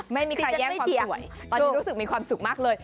ไม่มีใครแยกความสวยตอนนี้รู้สึกมีความสุขมากเลย